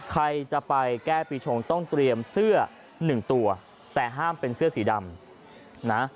ใครจะไปแก้ปีชงต้องเตรียมเสื้อหนึ่งตัวแต่ห้ามเป็นเสื้อสีดำนะ